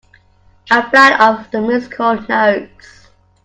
A flight of musical notes.